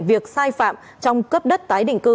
việc sai phạm trong cấp đất tái định cư